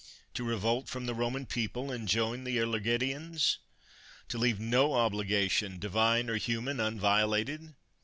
to revolt from the Roman people and join the Ilergetians? to leave no obligation, divine or human, unviolated?